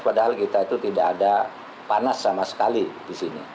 padahal kita itu tidak ada panas sama sekali di sini